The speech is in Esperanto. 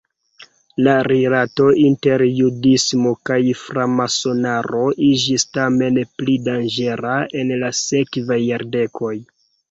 La rilato inter judismo kaj framasonaro iĝis tamen pli danĝera en la sekvaj jardekoj.